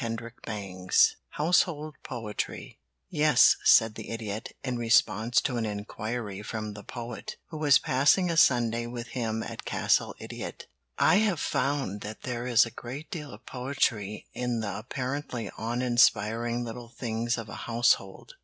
VII HOUSEHOLD POETRY "Yes," said the Idiot, in response to an inquiry from the Poet, who was passing a Sunday with him at Castle Idiot, "I have found that there is a great deal of poetry in the apparently uninspiring little things of a household.